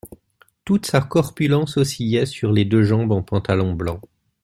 Toute sa corpulence oscillait sur les deux jambes en pantalon blanc.